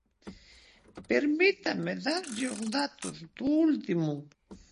Permítame darlle os datos do último.